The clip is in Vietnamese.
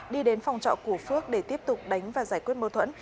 đi đến phòng trọ của phước để tiếp tục đánh và giải quyết mâu thuẫn